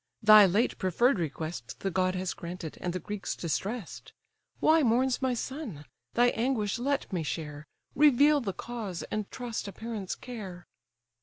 thy late preferr'd request The god has granted, and the Greeks distress'd: Why mourns my son? thy anguish let me share, Reveal the cause, and trust a parent's care."